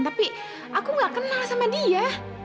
tapi aku gak kenal sama dia